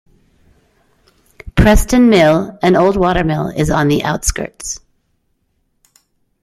Preston Mill, an old watermill, is on the outskirts.